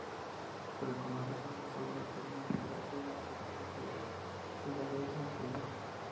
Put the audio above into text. Se le conoce por sus obras sobre literatura y mitología de la Grecia antigua.